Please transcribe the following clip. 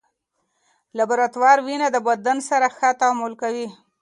لابراتوار وینه د بدن سره ښه تعامل کوي.